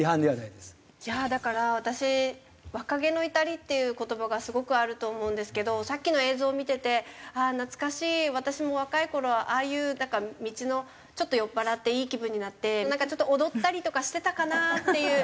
いやあだから私若気の至りっていう言葉がすごくあると思うんですけどさっきの映像見てて「ああ懐かしい。私も若い頃はああいうなんか道のちょっと酔っ払っていい気分になってなんかちょっと踊ったりとかしてたかな」っていう。